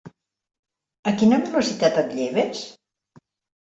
A quina velocitat et lleves?